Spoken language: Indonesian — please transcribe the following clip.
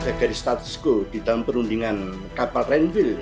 ada garis status quo di dalam perundingan kapal renville